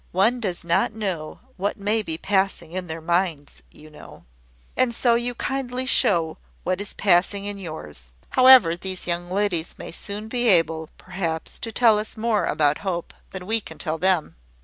One does not know what may be passing in their minds, you know." "And so you kindly show what is passing in yours. However, these young ladies may soon be able, perhaps, to tell us more about Hope than we can tell them."